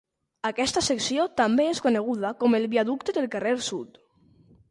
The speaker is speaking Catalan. Aquesta secció també és coneguda com el Viaducte del Carrer Sud.